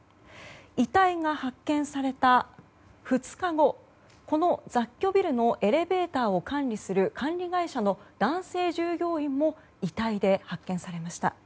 遺体が発見された２日後この雑居ビルのエレベーターを管理する管理会社の男性従業員も遺体で発見されました。